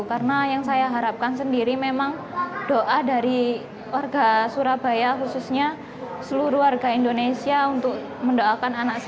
karena yang saya harapkan sendiri memang doa dari warga surabaya khususnya seluruh warga indonesia